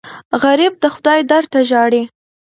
غریب د خدای در ته ژاړي